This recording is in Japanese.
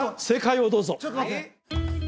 正解をどうぞ！